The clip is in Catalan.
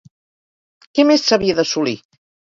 Què més s'havia d'assolir?